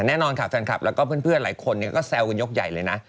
แน่นอนค่ะแฟนคลับแล้วก็เพื่อนหลายคนก็แซวกันยกใหญ่เลยนะ